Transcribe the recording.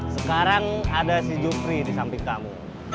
sekarang ada si jufri disamping kamu